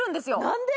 何で？